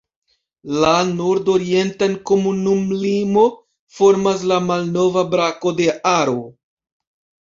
La nordorientan komunumlimo formas la malnova brako de Aro.